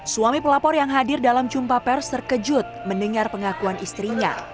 suami pelapor yang hadir dalam jumpa pers terkejut mendengar pengakuan istrinya